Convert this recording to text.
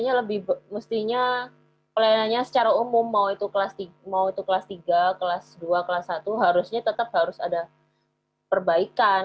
ya lebih mestinya pelayanannya secara umum mau itu mau itu kelas tiga kelas dua kelas satu harusnya tetap harus ada perbaikan